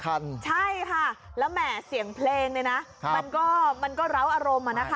สามคันใช่ค่ะแล้วแหม่เสียงเพลงเลยนะครับมันก็มันก็เหล้าอารมณ์มานะคะ